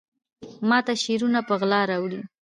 ماته شعرونه په غلا راوړي